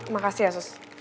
makasih ya sus